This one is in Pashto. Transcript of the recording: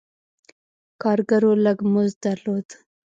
کارګرو لږ مزد درلود.